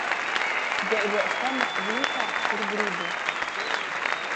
Dzeivuot tamā vītā, kur grybu.